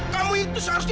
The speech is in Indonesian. kamu itu seharusnya